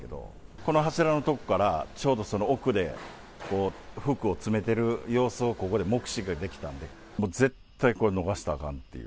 この柱の所からちょうどその奥で服を詰めてる様子をここで目視ができたんで、もう絶対、これ逃したらあかんっていう。